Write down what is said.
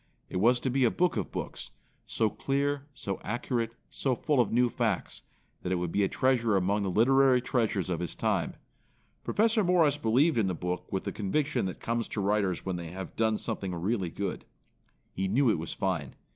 It was to be a book of books, so clear, so accurate, so full of new f acts that it would be a treasure among the literary treasures of his time. Professor Morris believed in the book with the conviction that comes to writers when they have done something really good. He knew it was fine.